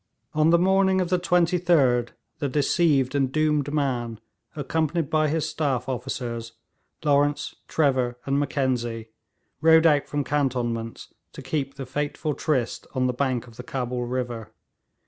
On the morning of the 23d the deceived and doomed man, accompanied by his staff officers, Lawrence, Trevor and Mackenzie, rode out from cantonments to keep the fateful tryst on the bank of the Cabul river.